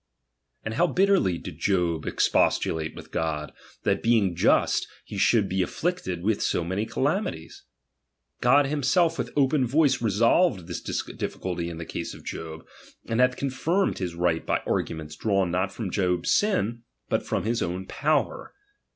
And how bitterly did job expostulate with God, that being ^'m*^ he should yet be afflicted with so maoy calamities ! God himself with open voice resolved this difficulty in the case of Job, and hath confirmed his right by arguments drawn not from Job's sin, but from his own power.